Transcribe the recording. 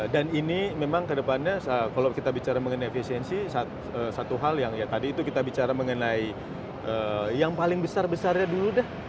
dan ini memang kedepannya kalau kita bicara mengenai efisiensi satu hal yang ya tadi itu kita bicara mengenai yang paling besar besarnya dulu dah